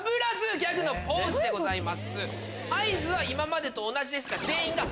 合図は今までと同じですが。